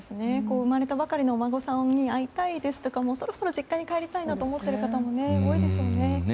生まれたばかりのお孫さんに会いたいですとかそろそろ実家に帰りたいと思う方も多いでしょうね。